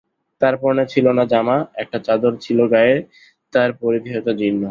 তাঁর পরনে ছিল না জামা, একটা চাদর ছিল গায়ে, তার পরিধেয়তা জীর্ণ।